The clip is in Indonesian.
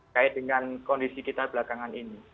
kait dengan kondisi kita belakangan ini